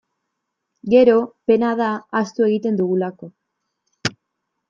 Gero, pena da, ahaztu egiten dugulako.